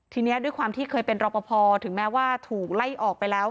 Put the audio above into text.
ทีนี้ด้วยความที่เคยเป็นรอปภถึงแม้ว่าถูกไล่ออกไปแล้ว